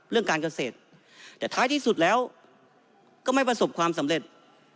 เรื่องการเกษตรแต่ท้ายที่สุดแล้วก็ไม่ประสบความสำเร็จ